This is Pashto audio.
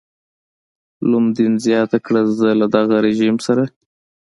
لومدین زیاته کړه زه له دغه رژیم سره.